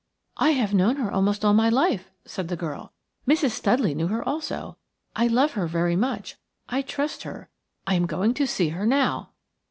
"I have known her almost all my life," said the girl. "Mrs. Studley knew her also. I love her very much. I trust her. I am going to see her now."